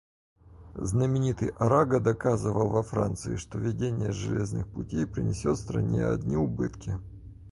Знаменитый Араго доказывал во Франции, что введение железных путей принесет стране одни убытки.